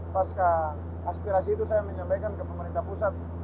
pas aspirasi itu saya menyampaikan ke pemerintah pusat